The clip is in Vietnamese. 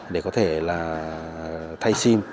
để có thể là thay sim